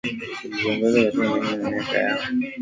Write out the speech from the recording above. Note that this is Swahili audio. zilizoongozwa na Umoja wa Kisovyeti Mwanzo wa miaka ya